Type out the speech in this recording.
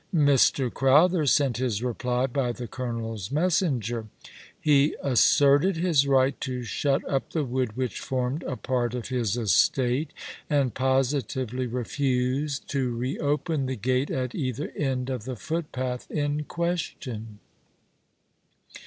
Mr. Crowther sent his reply by the colonel's messenger. He asserted his right to shut up the wood which formed a part of his estate, and positively refused to ro open the gate at either end of the footpath in question.